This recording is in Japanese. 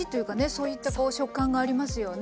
そういった食感がありますよね。